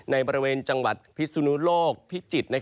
ในบริเวณจังหวัดพิศนุโลกพิจิตร